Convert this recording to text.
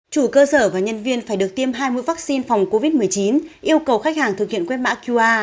chủ cơ sở và nhân viên phải được tiêm hai mươi vaccine phòng covid một mươi chín yêu cầu khách hàng thực hiện quét mã qr